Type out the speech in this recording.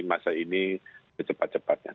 masa ini secepat cepatnya